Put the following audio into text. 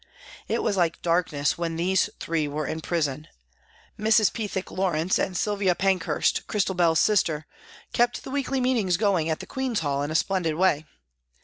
It was like darkness when these three were in prison. Mrs. Pethick Lawrence and Sylvia Pankhurst, Christabel's sister, kept the weekly meetings going at the Queen's Hall in a splendid way.